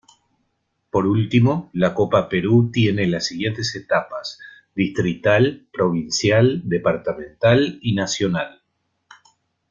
Por último, la Copa Perú tiene las siguientes etapas: distrital, provincial, departamental, y nacional.